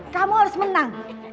kamu harus menang